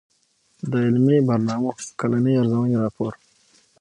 د علمي برنامو کلنۍ ارزوني راپور